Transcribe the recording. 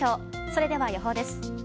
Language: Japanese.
それでは、予報です。